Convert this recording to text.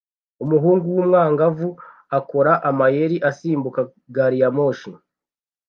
Umuhungu w'umwangavu akora amayeri asimbuka gari ya moshi